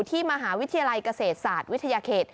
ที่มหาวิทยาลัยเกษตรศาสตร์วิทยาเขต